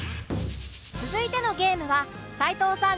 続いてのゲームは齊藤さん